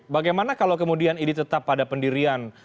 bagaimana kalau kemudian ini tetap pada pendirian